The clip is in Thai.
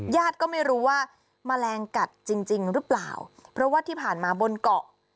ญาติก็ไม่รู้ว่าแมลงกัดจริงจริงหรือเปล่าเพราะว่าที่ผ่านมาบนเกาะ